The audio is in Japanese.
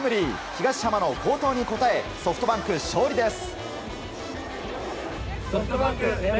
東浜の好投に応えソフトバンク、勝利です。